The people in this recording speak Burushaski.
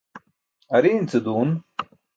Ariin ce duun.